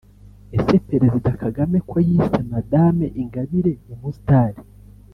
-Ese Perezida Kagame ko yise Madame Ingabire umustar